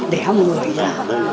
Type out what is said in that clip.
để không ngửi ra